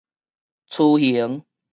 雛型